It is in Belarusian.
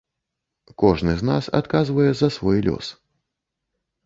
Кожны з нас адказвае за свой лёс.